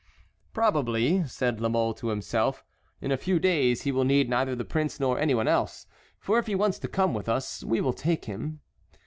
"Probably," said La Mole to himself, "in a few days he will need neither the prince nor any one else, for if he wants to come with us, we will take him."